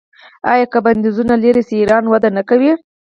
آیا که بندیزونه لرې شي ایران وده نه کوي؟